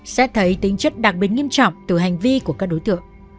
xét thấy tính chất đặc biệt nghiêm trọng từ hành vi của các đối tượng